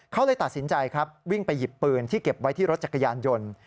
เขาเลยตัดสินใจครับวิ่งไปหยิบปืนที่เก็บไว้ที่รถจักรยานยนต์